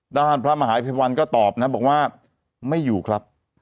พระมหาภัยวันก็ตอบนะบอกว่าไม่อยู่ครับ